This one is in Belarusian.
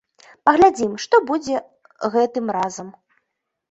Паглядзім, што будзе гэтым разам.